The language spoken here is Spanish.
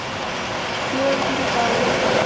Tienen dos hijos, Paola y Coqui.